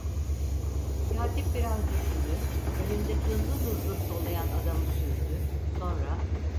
Katip biraz düşündü, önünde hızlı hızlı soluyan adamı süzdü, sonra: